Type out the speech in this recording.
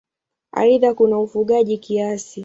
Aidha kuna ufugaji kiasi.